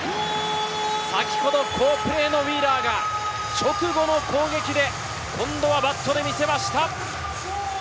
先ほど好プレーのウィーラーが、直後の攻撃で、今度はバットで見せました。